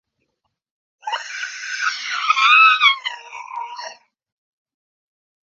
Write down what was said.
เมฆเคลื่อนไปอย่างสง่างามและหายไป